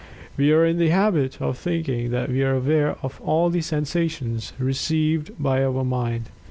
We are in the habit of thinking that we are aware of all the sensations received by our mind.